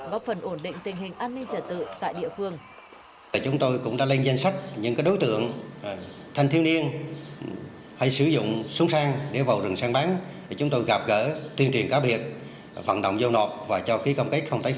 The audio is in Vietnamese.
góp phần ổn định tình hình an ninh trả tự tại địa phương